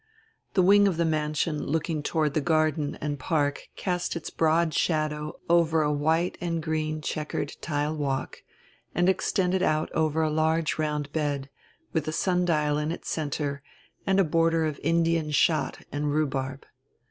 The wing of die mansion looking toward die garden and park cast its broad shadow over a white and green checkered tile walk and extended out over a large round bed, widi a sundial in its centre and a border of Indian shot and rhubarb.